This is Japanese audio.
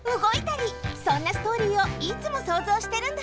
そんなストーリーをいつもそうぞうしてるんだって！